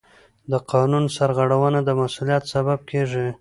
د قانون سرغړونه د مسؤلیت سبب کېږي.